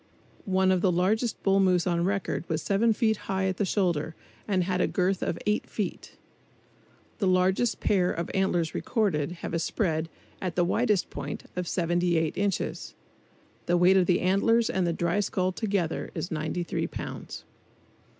One of the largest bull moose on record was seven feet high at the shoulders and had a girth of eight feet. The largest pair of antlers recorded have a spread, at the widest point, of 78 inches. The weight of the antlers and the dry skull together is 93 pounds.